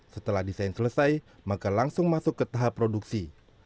setelah desain selesai maka langsung masuk ke tahap produksi